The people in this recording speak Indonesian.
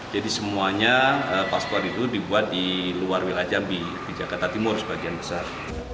jadi semuanya paspor itu dibuat di luar wilayah jambi di jakarta timur sebagian besar